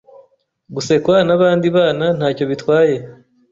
gusekwa n’abandi bana ntacyo bitwaye